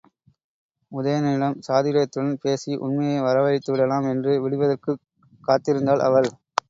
உதயணனிடம் சாதுரியத்துடன் பேசி உண்மையை வரவழைத்து விடலாம் என்று விடிவதற்குக் காத்திருந்தாள் அவள்.